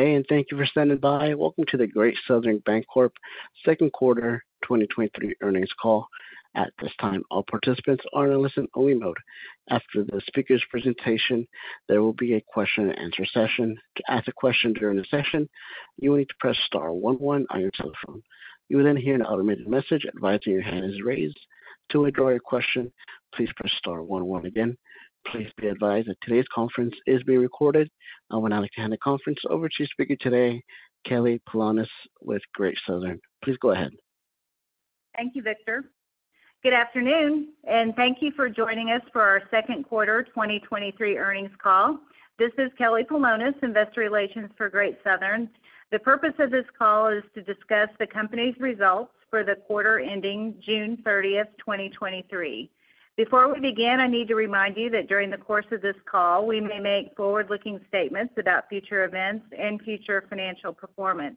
Good day. Thank you for standing by. Welcome to the Great Southern Bancorp Q2 2023 earnings call. At this time, all participants are in a listen-only mode. After the speaker's presentation, there will be a question-and-answer session. To ask a question during the session, you will need to press star one one on your telephone. You will hear an automated message advising your hand is raised. To withdraw your question, please press star one one again. Please be advised that today's conference is being recorded. I want to hand the conference over to speaker today, Kelly Polonus, with Great Southern. Please go ahead. Thank you, Victor. Good afternoon, and thank you for joining us for our Q2 2023 earnings call. This is Kelly Polonus, Investor Relations for Great Southern. The purpose of this call is to discuss the company's results for the quarter ending 30 June 2023. Before we begin, I need to remind you that during the course of this call, we may make forward-looking statements about future events and future financial performance.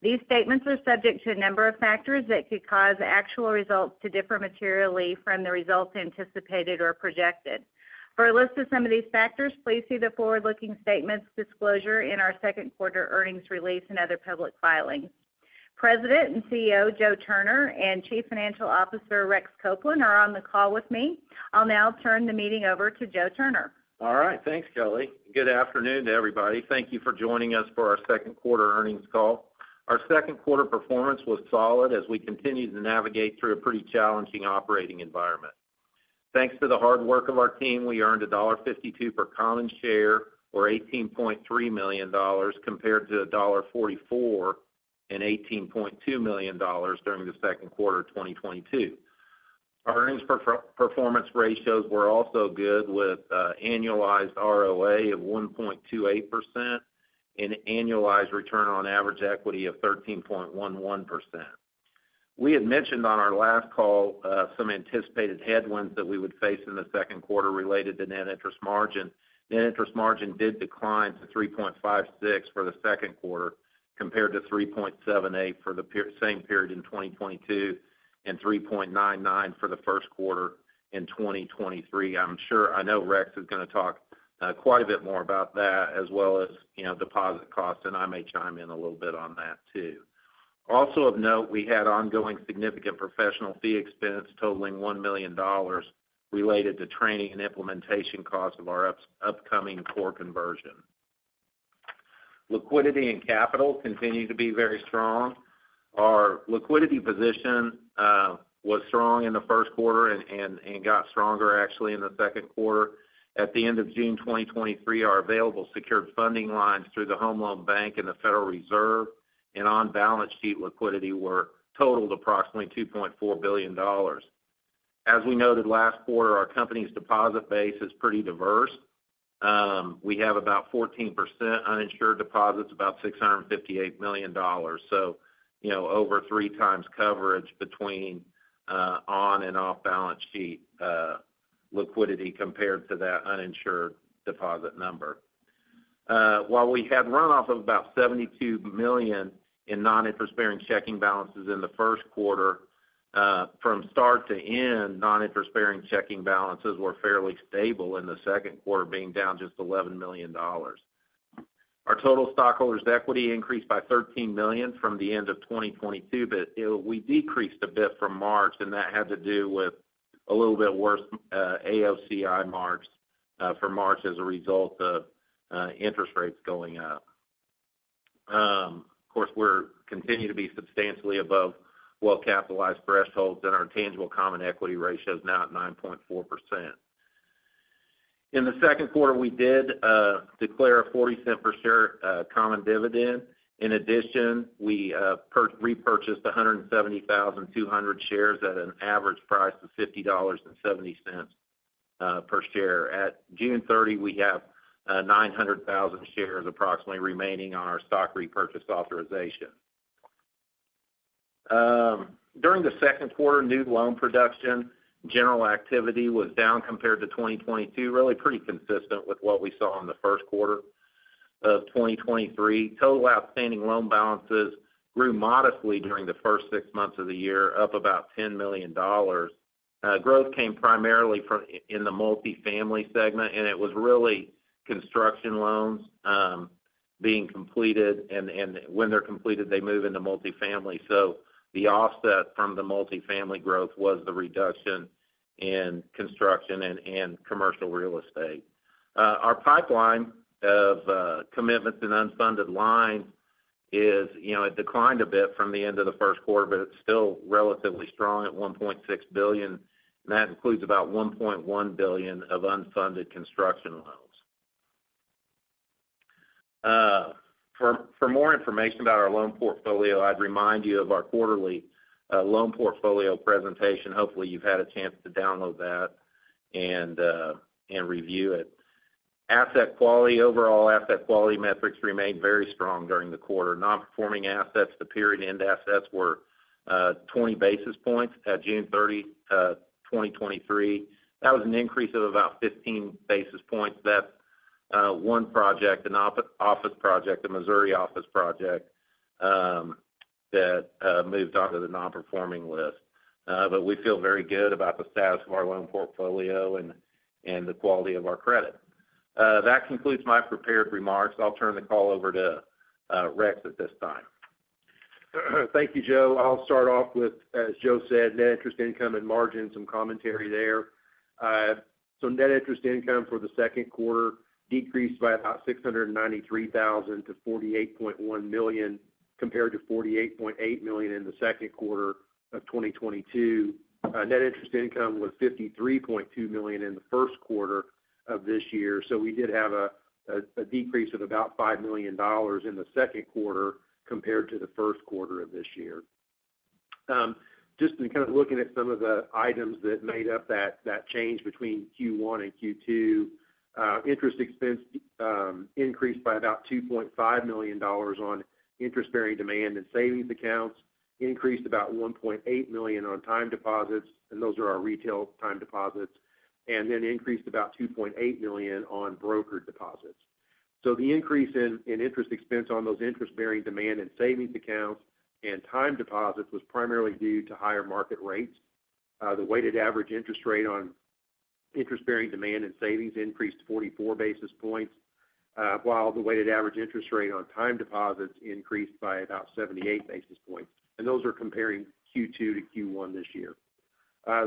These statements are subject to a number of factors that could cause actual results to differ materially from the results anticipated or projected. For a list of some of these factors, please see the forward-looking statements disclosure in our Q2 earnings release and other public filings. President and CEO, Joe Turner, and Chief Financial Officer, Rex Copeland, are on the call with me. I'll now turn the meeting over to Joe Turner. All right. Thanks, Kelly. Good afternoon to everybody. Thank you for joining us for our Q2 earnings call. Our Q2 performance was solid as we continued to navigate through a pretty challenging operating environment. Thanks to the hard work of our team, we earned $1.52 per common share, or $18.3 million, compared to $1.44 and $18.2 million during the Q2 of 2022. Our earnings performance ratios were also good, with annualized ROA of 1.28% and annualized return on average equity of 13.11%. We had mentioned on our last call, some anticipated headwinds that we would face in the Q2 related to net interest margin. Net interest margin did decline to 3.56% for the Q2, compared to 3.78% for the same period in 2022, and 3.99% for the Q1 in 2023. I know Rex is going to talk quite a bit more about that, as well as, you know, deposit costs, and I may chime in a little bit on that, too. Also of note, we had ongoing significant professional fee expense totaling $1 million related to training and implementation costs of our upcoming core conversion. Liquidity and capital continue to be very strong. Our liquidity position was strong in the Q1 and got stronger actually in the Q2. At the end of June 2023, our available secured funding lines through the Home Loan Bank and the Federal Reserve and on-balance sheet liquidity totaled approximately $2.4 billion. As we noted last quarter, our company's deposit base is pretty diverse. We have about 14% uninsured deposits, about $658 million. You know, over three times coverage between on and off-balance sheet liquidity compared to that uninsured deposit number. While we had run off of about $72 million in non-interest-bearing checking balances in the Q1, from start to end, non-interest-bearing checking balances were fairly stable in the Q2, being down just $11 million. Our total stockholders' equity increased by $13 million from the end of 2022, you know, we decreased a bit from March, and that had to do with a little bit worse AOCI marks for March as a result of interest rates going up. Of course, we're continuing to be substantially above well-capitalized thresholds. Our tangible common equity ratio is now at 9.4%. In the Q2, we did declare a $0.40 per share common dividend. In addition, we repurchased 170,200 shares at an average price of $50.70 per share. At 30 June, we have 900,000 shares approximately remaining on our stock repurchase authorization. During the Q2, new loan production, general activity was down compared to 2022, really pretty consistent with what we saw in the Q1 of 2023. Total outstanding loan balances grew modestly during the first six months of the year, up about $10 million. Growth came primarily in the multifamily segment, and it was really construction loans being completed, and when they're completed, they move into multifamily. The offset from the multifamily growth was the reduction in construction and commercial real estate. Our pipeline of commitments and unfunded lines is, you know, it declined a bit from the end of the Q1, but it's still relatively strong at $1.6 billion, and that includes about $1.1 billion of unfunded construction loans. For, for more information about our loan portfolio, I'd remind you of our quarterly loan portfolio presentation. Hopefully, you've had a chance to download that and review it. Asset quality, overall asset quality metrics remained very strong during the quarter. Non-performing assets, the period-end assets were 20 basis points at 30 June 2023. That was an increase of about 15 basis points. That's one project, an office project, a Missouri office project that moves onto the non-performing list. We feel very good about the status of our loan portfolio and the quality of our credit. That concludes my prepared remarks. I'll turn the call over to Rex at this time. Thank you, Joe. I'll start off with, as Joe said, net interest income and margin, some commentary there. Net interest income for the Q2 decreased by about $693,000 to $48.1 million, compared to $48.8 million in the Q2 of 2022. Net interest income was $53.2 million in the Q1 of this year, we did have a decrease of about $5 million in the Q2 compared to the Q1 of this year. Just in kind of looking at some of the items that made up that change between Q1 and Q2, interest expense increased by about $2.5 million on interest-bearing demand and savings accounts, increased about $1.8 million on time deposits, and those are our retail time deposits, and then increased about $2.8 million on brokered deposits. The increase in interest expense on those interest-bearing demand and savings accounts and time deposits was primarily due to higher market rates. The weighted average interest rate on interest-bearing demand and savings increased 44 basis points, while the weighted average interest rate on time deposits increased by about 78 basis points, and those are comparing Q2 to Q1 this year.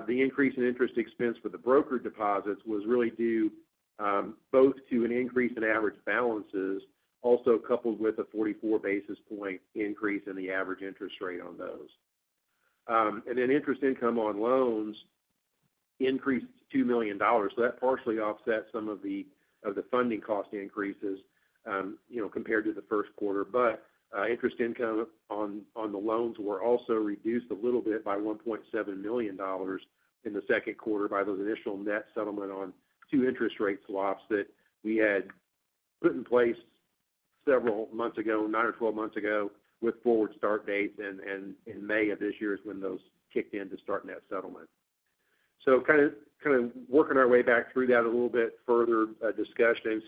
The increase in interest expense for the brokered deposits was really due, both to an increase in average balances, also coupled with a 44 basis point increase in the average interest rate on those. Interest income on loans increased $2 million. That partially offset some of the funding cost increases, you know, compared to the Q1. Interest income on the loans were also reduced a little bit by $1.7 million in the Q2 by those initial net settlement on two interest rate swaps that we had put in place several months ago, nine or twelve months ago, with forward start dates, and in May of this year is when those kicked in to start net settlement. Kind of working our way back through that a little bit further discussion.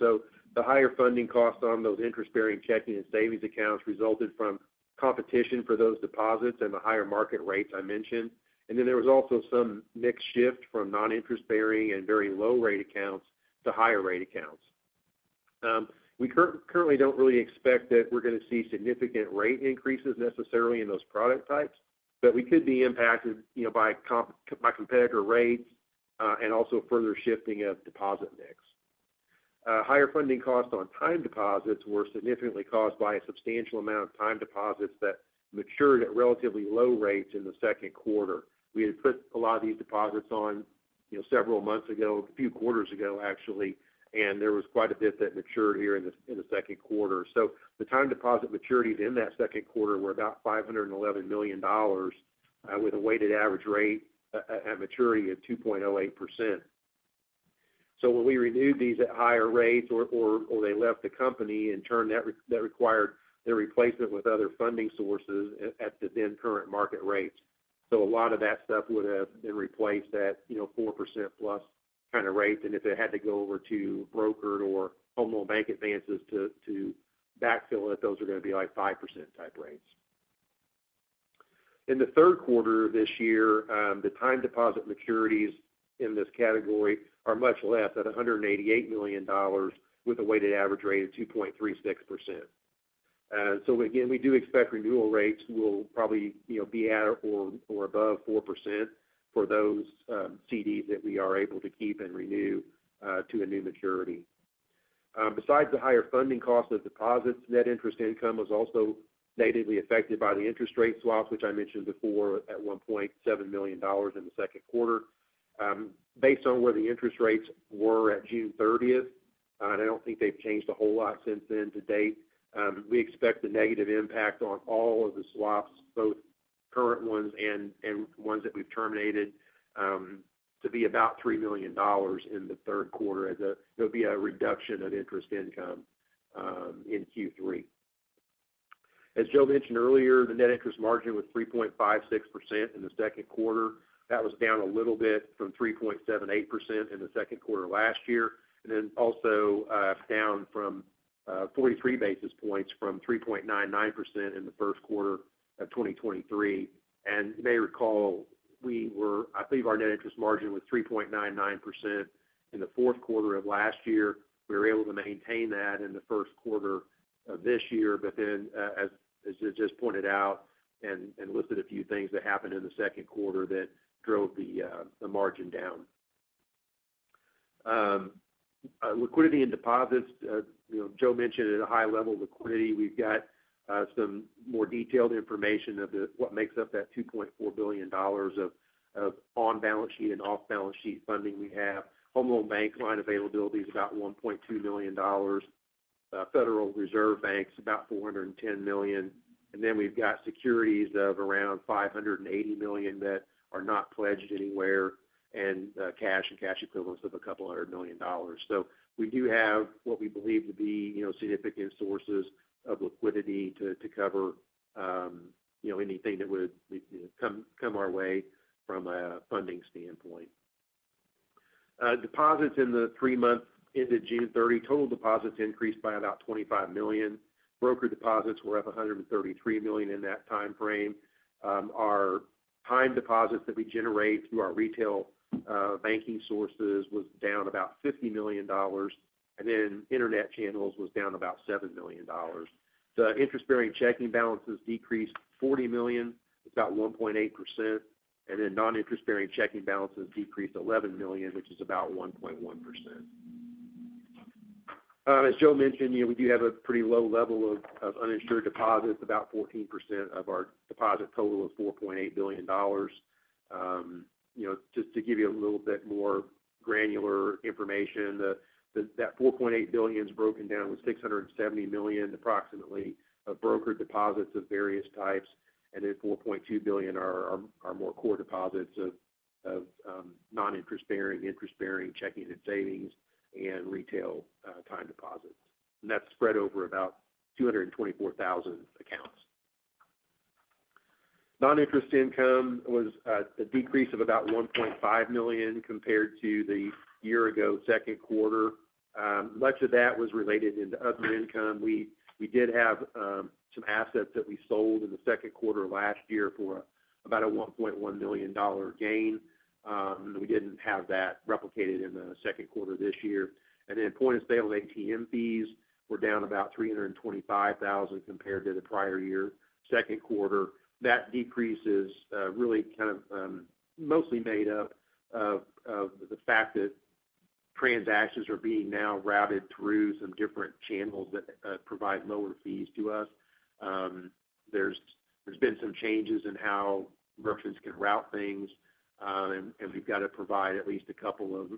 The higher funding costs on those interest-bearing checking and savings accounts resulted from competition for those deposits and the higher market rates I mentioned. There was also some mix shift from non-interest bearing and very low rate accounts to higher rate accounts. We currently don't really expect that we're going to see significant rate increases necessarily in those product types, but we could be impacted, you know, by competitor rates and also further shifting of deposit mix. Higher funding costs on time deposits were significantly caused by a substantial amount of time deposits that matured at relatively low rates in the Q2. We had put a lot of these deposits on, you know, several months ago, a few quarters ago, actually, and there was quite a bit that matured here in the Q2. The time deposit maturities in that Q2 were about $511 million with a weighted average rate at maturity of 2.08%. When we renewed these at higher rates or they left the company, in turn, that required their replacement with other funding sources at the then current market rates. A lot of that stuff would have been replaced at, you know, 4%+ kind of rates. If it had to go over to brokered or Home Loan Bank advances to backfill it, those are going to be like 5% type rates. In the Q3 of this year, the time deposit maturities in this category are much less at $188 million, with a weighted average rate of 2.36%. Again, we do expect renewal rates will probably, you know, be at or above 4% for those CDs that we are able to keep and renew to a new maturity. Besides the higher funding cost of deposits, net interest income was also negatively affected by the interest rate swaps, which I mentioned before, at $1.7 million in the Q2. Based on where the interest rates were at 30 June, and I don't think they've changed a whole lot since then to date, we expect the negative impact on all of the swaps, both current ones and ones that we've terminated, to be about $3 million in the Q3, as there'll be a reduction of interest income in Q3. As Joe mentioned earlier, the net interest margin was 3.56% in the Q2. That was down a little bit from 3.78% in the Q2 last year, and then also down from 43 basis points from 3.99% in the Q1 of 2023. You may recall, I believe our net interest margin was 3.99% in the Q4 of last year. We were able to maintain that in the Q1 of this year. As Joe just pointed out and listed a few things that happened in the Q2 that drove the margin down. Liquidity and deposits, you know, Joe mentioned at a high level liquidity. We've got some more detailed information of what makes up that $2.4 billion of on-balance sheet and off-balance sheet funding we have. Home Loan Bank line availability is about $1.2 million. Federal Reserve Bank's about $410 million. We've got securities of around $580 million that are not pledged anywhere. Cash and cash equivalents of a couple hundred million dollars. We do have what we believe to be, you know, significant sources of liquidity to cover, you know, anything that would, you know, come our way from a funding standpoint. Deposits in the three months ended June 30, total deposits increased by about $25 million. Brokered deposits were up $133 million in that time frame. Our time deposits that we generate through our retail banking sources was down about $50 million. Internet channels was down about $7 million. The interest-bearing checking balances decreased $40 million, about 1.8%, and then non-interest-bearing checking balances decreased $11 million, which is about 1.1%. As Joe mentioned, you know, we do have a pretty low level of uninsured deposits, about 14% of our deposit total of $4.8 billion. You know, just to give you a little bit more granular information, that $4.8 billion is broken down with $670 million, approximately, of brokered deposits of various types, and then $4.2 billion are more core deposits of non-interest bearing, interest-bearing checking and savings and retail time deposits. That's spread over about 224,000 accounts. Non-interest income was a decrease of about $1.5 million compared to the year-ago Q2. Much of that was related into other income. We did have some assets that we sold in the Q2 of last year for about a $1.1 million gain. We didn't have that replicated in the Q2 this year. Point-of-sale ATM fees were down about $325,000 compared to the prior year Q2. That decrease is really kind of mostly made up of the fact that transactions are being now routed through some different channels that provide lower fees to us. There's been some changes in how merchants can route things, we've got to provide at least a couple of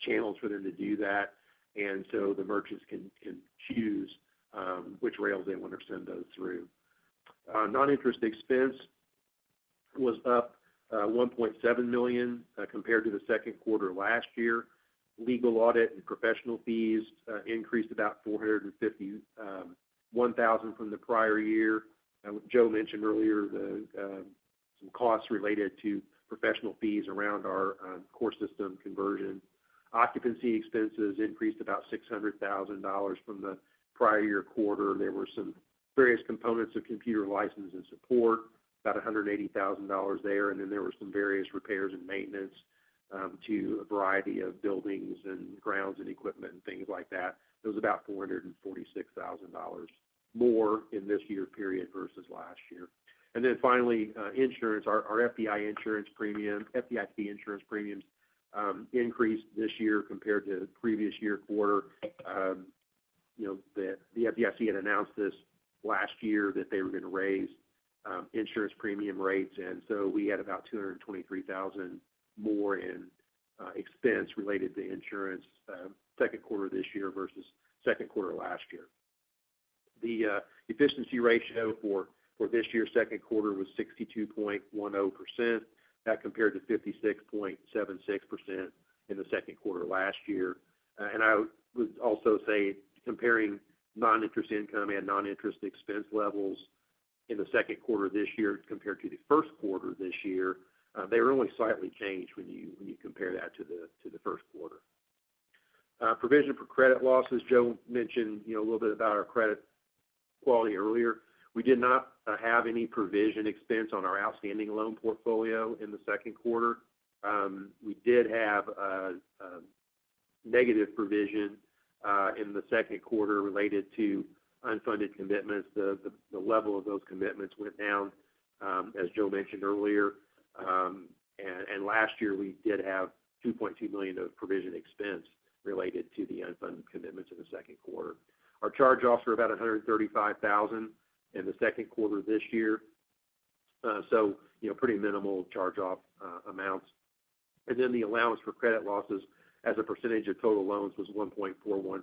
channels for them to do that, the merchants can choose which rails they want to send those through. Non-interest expense was up $1.7 million compared to the Q2 last year. Legal, audit, and professional fees increased about $451,000 from the prior year. Joe mentioned earlier the some costs related to professional fees around our core system conversion. Occupancy expenses increased about $600,000 from the prior year quarter. There were some various components of computer license and support, about $180,000 there, and then there were some various repairs and maintenance to a variety of buildings and grounds and equipment and things like that. It was about $446,000 more in this year period versus last year. Finally, insurance. Our FDIC insurance premiums increased this year compared to the previous year quarter. you know, the FDIC had announced this last year that they were going to raise insurance premium rates, and so we had about $223,000 more in expense related to insurance Q2 this year versus Q2 last year. The efficiency ratio for this year's Q2 was 62.10%. That compared to 56.76% in the Q2 last year. I would also say comparing non-interest income and non-interest expense levels in the Q2 this year compared to the Q1 this year, they were only slightly changed when you compare that to the Q1. Provision for credit losses, Joe mentioned, you know, a little bit about our credit quality earlier. We did not have any provision expense on our outstanding loan portfolio in the Q2. We did have a negative provision in the Q2 related to unfunded commitments. The level of those commitments went down as Joe mentioned earlier. Last year, we did have $2.2 million of provision expense related to the unfunded commitments in the Q2. Our charge-offs were about $135,000 in the Q2 this year. You know, pretty minimal charge-off amounts. The allowance for credit losses as a percentage of total loans was 1.41%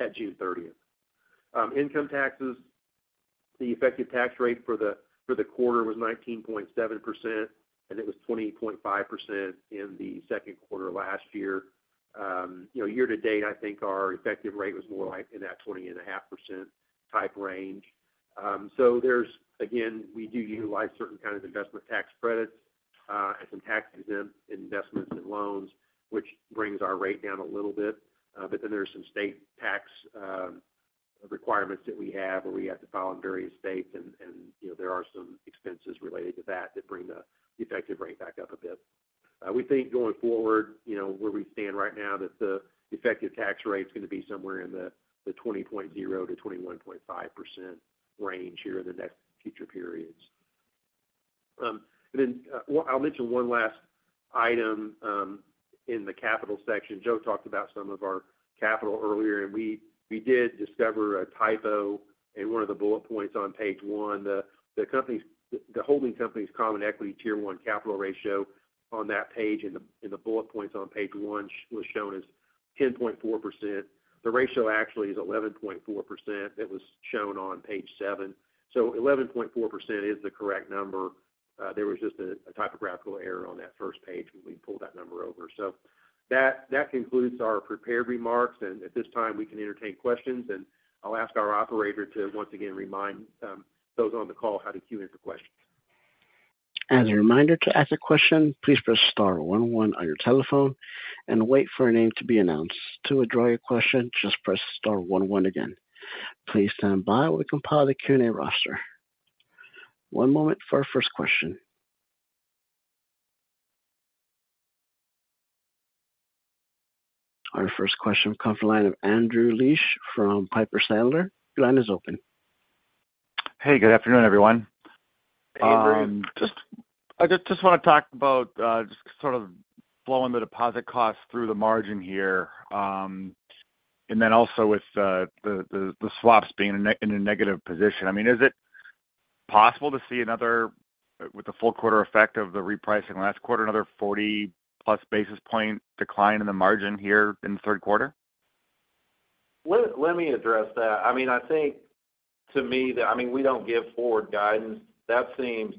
at 30 June. Income taxes, the effective tax rate for the quarter was 19.7%, and it was 20.5% in the Q2 of last year. You know, year to date, I think our effective rate was more like in that 20.5% type range. There's, again, we do utilize certain kinds of investment tax credits, and some tax-exempt investments and loans, which brings our rate down a little bit. There's some state tax, requirements that we have, where we have to file in various states and, you know, there are some expenses related to that bring the effective rate back up a bit. We think going forward, you know, where we stand right now, that the effective tax rate is going to be somewhere in the 20.0%-21.5% range here in the next future periods. I'll mention one last item, in the capital section. Joe talked about some of our capital earlier, we did discover a typo in one of the bullet points on page one. The holding company's Common Equity Tier 1 capital ratio on that page, in the bullet points on page one, was shown as 10.4%. The ratio actually is 11.4%. It was shown on page seven. 11.4% is the correct number. There was just a typographical error on that first page when we pulled that number over. That concludes our prepared remarks, and at this time, we can entertain questions. I'll ask our operator to once again remind those on the call how to queue in for questions. As a reminder, to ask a question, please press star one one on your telephone and wait for a name to be announced. To withdraw your question, just press star one one again. Please stand by while we compile the Q&A roster. One moment for our first question. Our first question comes from the line of Andrew Liesch from Piper Sandler. Your line is open. Hey, good afternoon, everyone. Hey, Andrew. I just want to talk about just sort of blowing the deposit costs through the margin here, and then also with the swaps being in a negative position. I mean, is it possible to see another, with the full quarter effect of the repricing last quarter, another 40 plus basis point decline in the margin here in the Q3? Let me address that. I mean, I think to me, that, I mean, we don't give forward guidance. That seems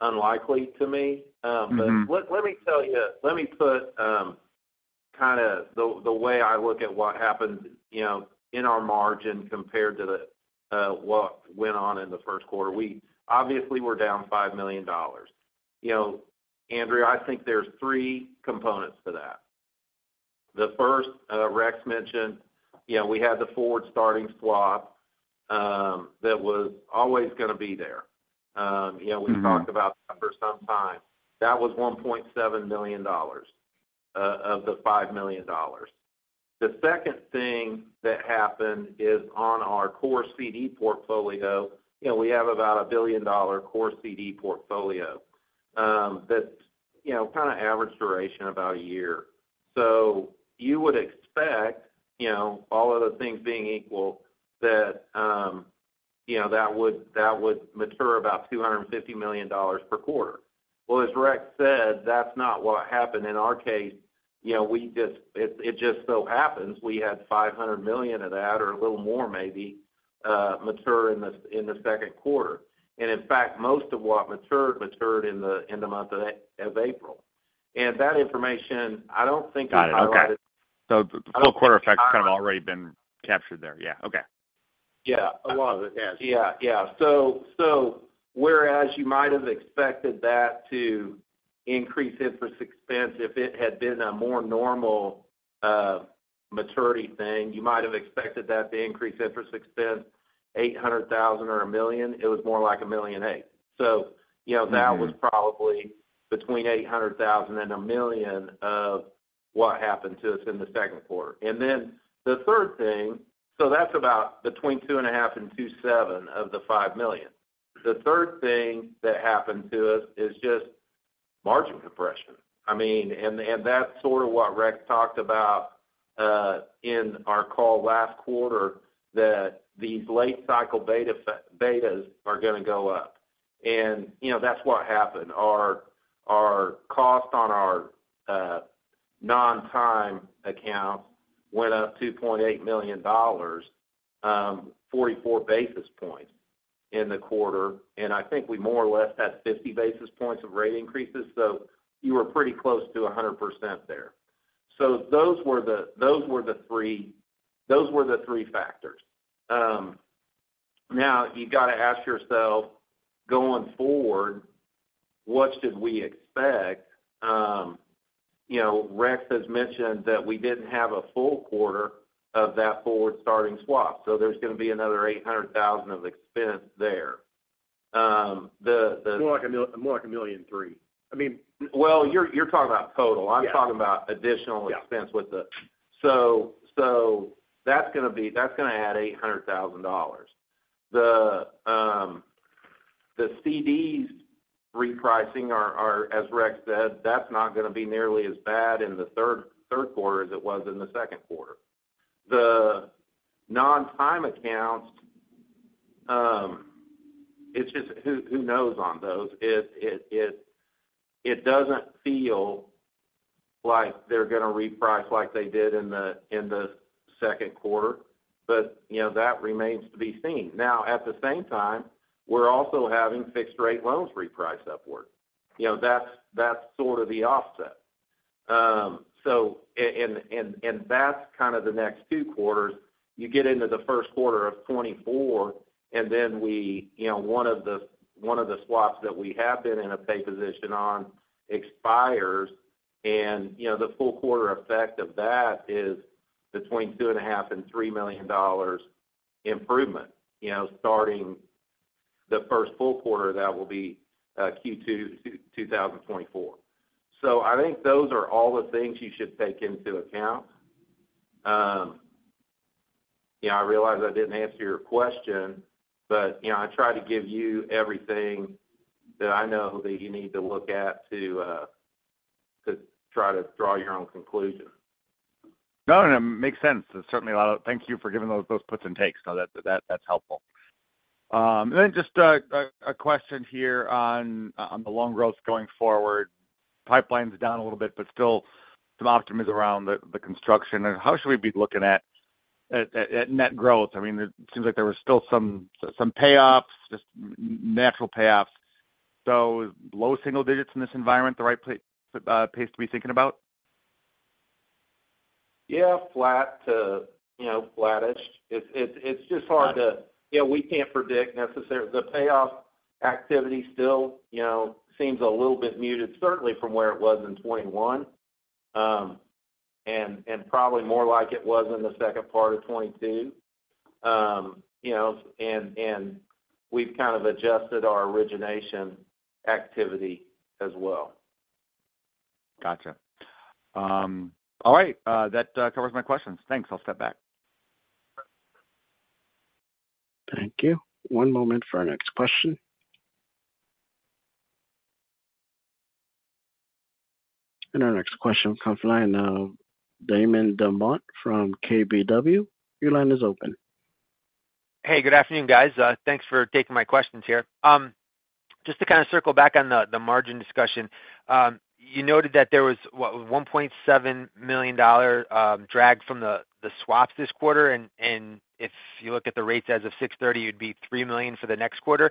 unlikely to me. Mm-hmm. Let me tell you, let me put, kind of the way I look at what happened, you know, in our margin compared to the, what went on in the Q1. We obviously were down $5 million. You know, Andrew, I think there's three components to that. The first, Rex mentioned, you know, we had the forward starting swap, that was always going to be there. Mm-hmm we talked about that for some time. That was $1.7 million of the $5 million. Second thing that happened is on our core CD portfolio, you know, we have about a billion-dollar core CD portfolio, that's, you know, kind of average duration about a year. You would expect, you know, all of the things being equal, that, you know, that would mature about $250 million per quarter. Well, as Rex said, that's not what happened in our case. You know, it just so happens we had $500 million of that, or a little more maybe, mature in the Q2. In fact, most of what matured in the month of April. That information, I don't think I highlighted- Got it. Okay. The full quarter effect had kind of already been captured there. Yeah. Okay. Yeah. A lot of it. Yes. Yeah. Yeah. Whereas you might have expected that to increase interest expense, if it had been a more normal maturity thing, you might have expected that to increase interest expense, $800,000 or $1 million, it was more like $1.8 million. You know. Mm-hmm That was probably between $800,000 and $1 million of what happened to us in the Q2. The third thing, so that's about between $2.5 million and $2.7 million of the $5 million. The third thing that happened to us is just margin compression. I mean, and that's sort of what Rex talked about in our call last quarter, that these late cycle betas are going to go up. You know, that's what happened. Our cost on our non-time accounts went up $2.8 million, 44 basis points in the quarter, and I think we more or less had 50 basis points of rate increases, so you were pretty close to 100% there. Those were the three factors. You've got to ask yourself, going forward, what should we expect? You know, Rex has mentioned that we didn't have a full quarter of that forward starting swap, so there's going to be another $800,000 of expense there. More like $1.3 million. I mean. Well, you're talking about total. Yeah. I'm talking about additional- Yeah expense with the- So, that's going to add $800,000. The CDs repricing are, as Rex said, that's not going to be nearly as bad in the Q3 as it was in the Q2. The non-time accounts, it's just who knows on those? It doesn't feel like they're going to reprice like they did in the Q2, but, you know, that remains to be seen. At the same time, we're also having fixed rate loans reprice upward. You know, that's sort of the offset. That's kind of the next 2 quarters. You get into the Q1 of 2024, we, you know, one of the swaps that we have been in a pay position on expires, you know, the full quarter effect of that is between two and a half and three million dollars improvement, you know, starting the first full quarter, that will be Q2 2024. I think those are all the things you should take into account. Yeah, I realize I didn't answer your question, but, you know, I tried to give you everything that I know that you need to look at to try to draw your own conclusion. No, it makes sense. There's certainly thank you for giving those puts and takes. That's helpful. Just a question here on the loan growth going forward. Pipeline's down a little bit, but still some optimism around the construction. How should we be looking at net growth? I mean, it seems like there was still some payoffs, just natural payoffs. Low single digits in this environment, the right pace to be thinking about? Yeah, flat to, you know, flattish. It's just hard to predict necessarily. The payoff activity still, you know, seems a little bit muted, certainly from where it was in 21, and probably more like it was in the second part of 22. you know, we've kind of adjusted our origination activity as well. Gotcha. All right, that covers my questions. Thanks. I'll step back. Thank you. One moment for our next question. Our next question comes from the line of Damon DelMonte from KBW. Your line is open. Hey, good afternoon, guys. Thanks for taking my questions here. Just to kind of circle back on the margin discussion, you noted that there was, what, $1.7 million drag from the swaps this quarter, and if you look at the rates as of 6/30, it'd be $3 million for the next quarter.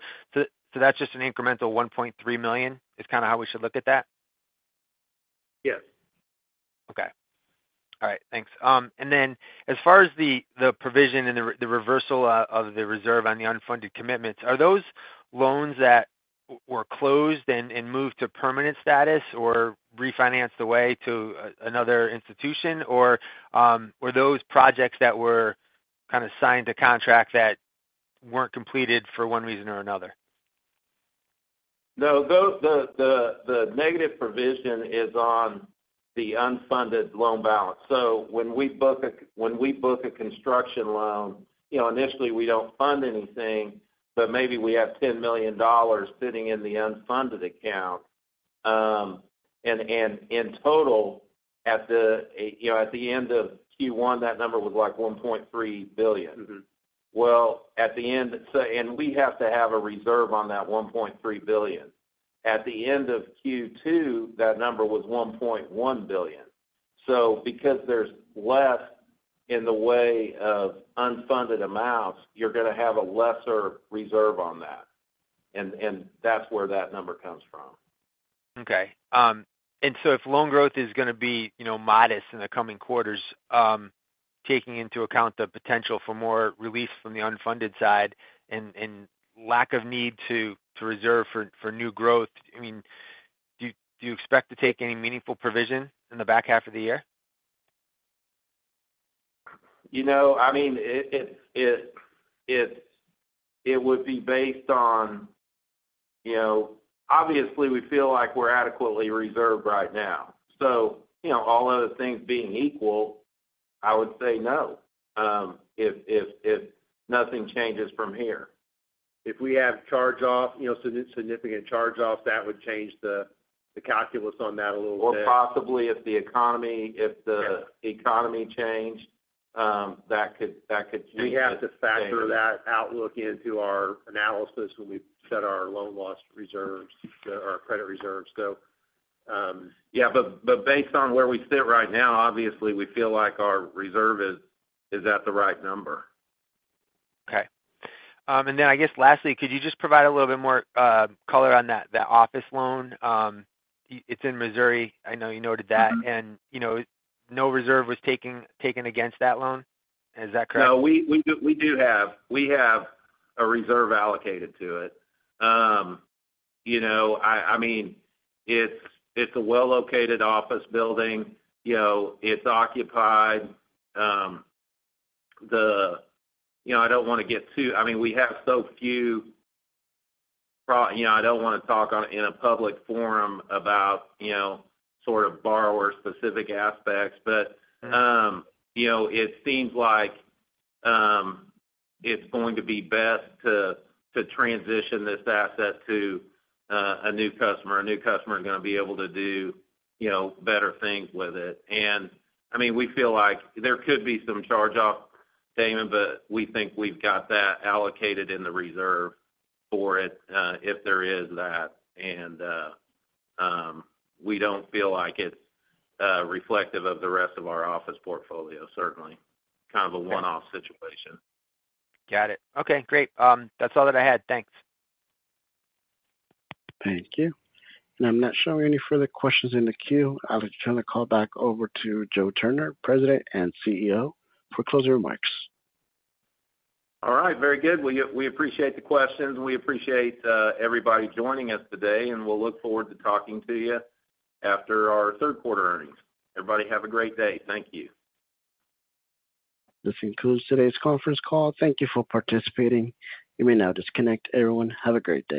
That's just an incremental $1.3 million, is kind of how we should look at that? Yes. Okay. All right, thanks. As far as the provision and the reversal of the reserve on the unfunded commitments, are those loans that were closed and moved to permanent status or refinanced away to another institution? Were those projects that were kind of signed a contract that weren't completed for one reason or another? The negative provision is on the unfunded loan balance. When we book a construction loan, you know, initially, we don't fund anything, but maybe we have $10 million sitting in the unfunded account. In total, at the end of Q1, that number was like $1.3 billion. Mm-hmm. At the end, we have to have a reserve on that $1.3 billion. At the end of Q2, that number was $1.1 billion. Because there's less in the way of unfunded amounts, you're going to have a lesser reserve on that, and that's where that number comes from. Okay. If loan growth is going to be, you know, modest in the coming quarters, taking into account the potential for more relief from the unfunded side and lack of need to reserve for new growth, I mean, do you expect to take any meaningful provision in the back half of the year? You know, I mean, it would be based on, you know, obviously, we feel like we're adequately reserved right now. You know, all other things being equal, I would say no, if nothing changes from here. If we have charge-off, you know, significant charge-offs, that would change the calculus on that a little bit. Well, possibly if the economy, if the- Yep. Yeah economy changed, that could change. We have to factor that outlook into our analysis when we set our loan loss reserves, our credit reserves. Yeah, based on where we sit right now, obviously, we feel like our reserve is at the right number. Okay. I guess, lastly, could you just provide a little bit more color on that office loan? It's in Missouri. I know you noted that. Mm-hmm. You know, no reserve was taken against that loan. Is that correct? We have a reserve allocated to it. You know, I mean, it's a well-located office building. You know, it's occupied. I mean, You know, I don't want to talk on, in a public forum about, you know, sort of borrower-specific aspects. Mm-hmm. You know, it seems like it's going to be best to transition this asset to a new customer. A new customer is going to be able to do, you know, better things with it. I mean, we feel like there could be some charge-off, Damon, but we think we've got that allocated in the reserve for it, if there is that. We don't feel like it's reflective of the rest of our office portfolio, certainly. Kind of a one-off situation. Got it. Okay, great. That's all that I had. Thanks. Thank you. I'm not showing any further questions in the queue. I would turn the call back over to Joe Turner, President and CEO, for closing remarks. All right. Very good. We appreciate the questions, and we appreciate everybody joining us today. We'll look forward to talking to you after our Q3 earnings. Everybody, have a great day. Thank you. This concludes today's conference call. Thank you for participating. You may now disconnect. Everyone, have a great day.